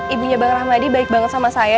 ibunya bang rahmadi baik banget sama saya